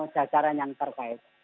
jacaran yang terkait